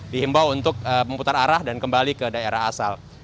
dihimbau untuk memutar arah dan kembali ke daerah asal